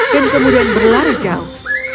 dan kemudian berlari jauh